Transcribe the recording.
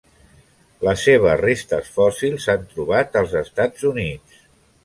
Les seves restes fòssils s'han trobat als Estats Units.